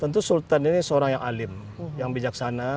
tentu sultan ini seorang yang alim yang bijaksana